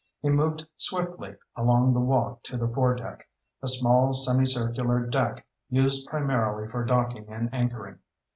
He moved swiftly along the walk to the foredeck, a small semicircular deck used primarily for docking and anchoring.